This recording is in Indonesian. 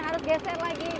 harus geser lagi gitu